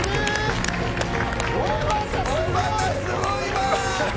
おばたすごいわ。